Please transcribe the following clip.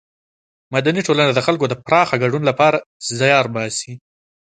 مدني ټولنه د خلکو د پراخه ګډون له پاره زیار باسي.